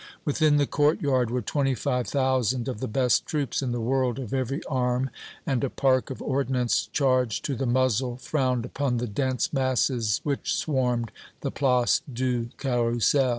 Within the courtyard were twenty five thousand of the best troops in the world of every arm, and a park of ordnance charged to the muzzle frowned upon the dense masses which swarmed the Place du Carrousel.